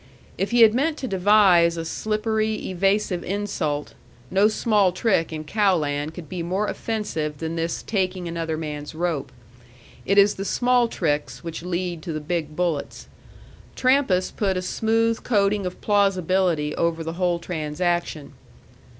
If he had meant to devise a slippery, evasive insult, no small trick in cow land could be more offensive than this taking another man's rope. And it is the small tricks which lead to the big bullets. Trampas put a smooth coating of plausibility over the whole transaction.